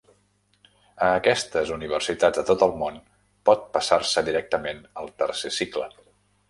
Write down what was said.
A aquestes universitats de tot el món pot passar-se directament al tercer cicle.